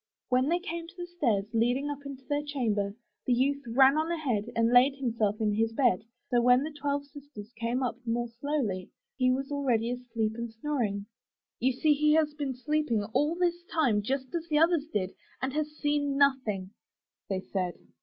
When they came to the stairs, leading up into their chamber, the youth ran on ahead and laid himself in his bed, so when the twelve sisters came up more slowly, he was already asleep and snoring. '*You see i8o UP ONE PAIR OF STAIRS he has been sleeping all this time just as the others did, and has seen nothing/' they said.